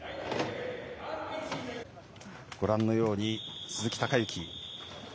ご覧のように鈴木孝幸。